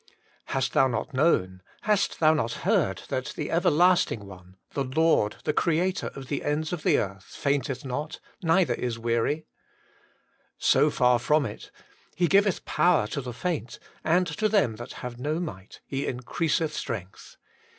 * Hast thou not known, hast thou not heard, that the Everlasting One, the Lord, the Creator of the ends of the earth, fainteth notf neither is weary %' So far from it, * He giveth power to the faint, and to them that have no might He increaseth strength.